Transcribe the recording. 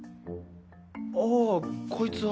ああこいつは。